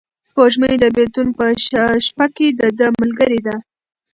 سپوږمۍ د بېلتون په شپه کې د ده ملګرې ده.